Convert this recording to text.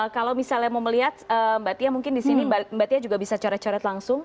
kalau misalnya mau melihat mbak tia mungkin di sini mbak tia juga bisa coret coret langsung